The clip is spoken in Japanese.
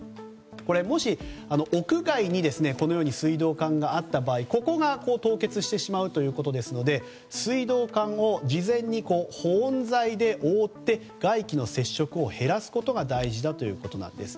もし屋外に水道管があった場合ここが凍結してしまうということで水道管を事前に保温材で覆って外気の接触を減らすことが大事だということです。